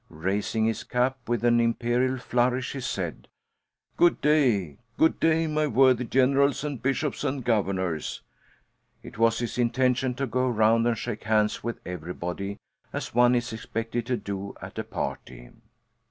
Raising his cap with an imperial flourish, he said: "Go' day, go' day, my worthy Generals and Bishops and Governors." It was his intention to go around and shake hands with everybody, as one is expected to do at a party.